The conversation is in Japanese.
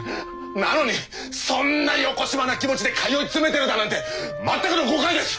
なのにそんなよこしまな気持ちで通い詰めてるだなんて全くの誤解です！